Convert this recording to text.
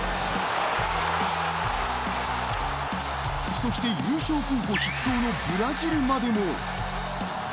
そして、優勝候補筆頭のブラジルまでも。